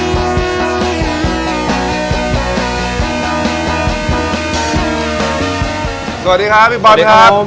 สวัสดีครับพี่บอลครับ